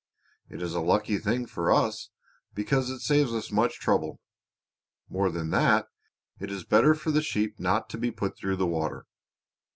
It is a lucky thing for us, because it saves us much trouble; more than that, it is better for the sheep not to be put through the water.